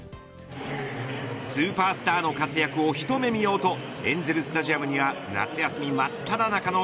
スーパースターの活躍を一目見ようとエンゼルスタジアムには夏休み真っただ中の